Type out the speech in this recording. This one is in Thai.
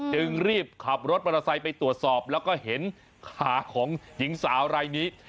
จึงรีบขับรถปลาสัยไปตรวจสอบแล้วก็เห็นขาของหญิงสาวไร้นี้